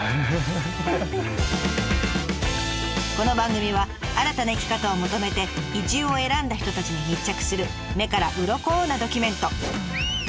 この番組は新たな生き方を求めて移住を選んだ人たちに密着する目からうろこなドキュメント。